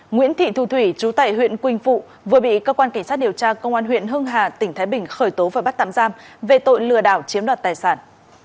nguyễn thị thu thủy chú tại huyện quỳnh phụ vừa bị cơ quan cảnh sát điều tra công an huyện hưng hà tỉnh thái bình khởi tố và bắt tạm giam về tội lừa đảo chiếm đoạt tài sản